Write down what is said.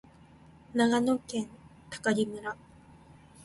長野県喬木村